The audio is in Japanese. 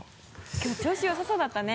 きょう調子よさそうだったね。